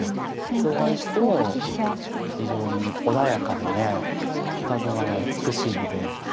いつお会いしても非常に穏やかでねたたずまいが美しいので。